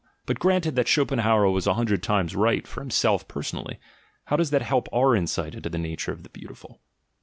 But granted that Schopenhauer was a hundred times right for himself personally, how does that help our insight into the nature of the beautiful?